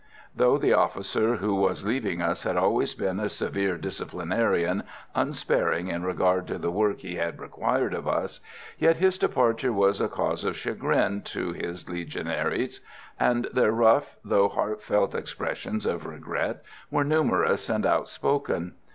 Though the officer who was leaving us had always been a severe disciplinarian, unsparing in regard to the work he had required of us, yet his departure was a cause of chagrin to his Legionaries; and their rough, though heartfelt expressions of regret were numerous and outspoken.